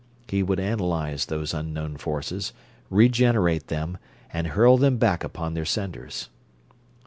He would analyze those unknown forces, regenerate them, and hurl them back upon their senders.